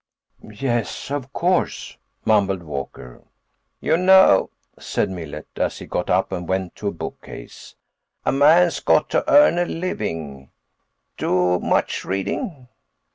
"Yes, of course," mumbled Walker. "You know," said Millet as he got up and went to a bookcase, "a man's got to earn a living. Do much reading?"